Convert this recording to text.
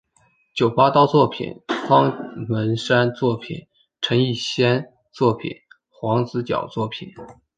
九把刀作品方文山作品陈奕先作品黄子佼作品